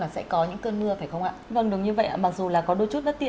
xin chào và hẹn gặp lại